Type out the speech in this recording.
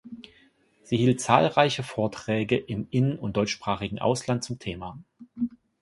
Sie hielt zahlreiche Vorträge im In- und deutschsprachigen Ausland zum Thema.